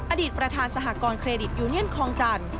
อดีตประธานสหกรณ์เครดิตยูเนียนคลองจันทร์